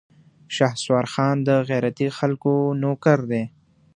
شهسوار خان د غيرتي خلکو نوکر دی.